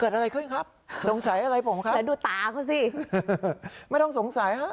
เกิดอะไรขึ้นครับสงสัยอะไรผมครับเดี๋ยวดูตาเขาสิไม่ต้องสงสัยฮะ